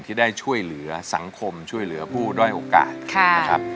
ที่ได้ช่วยเหลือสังคมช่วยเหลือผู้ด้อยโอกาสนะครับ